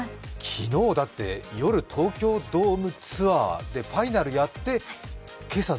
昨日だって東京ドームツアーでファイナルやって今朝「ＴＨＥＴＩＭＥ，」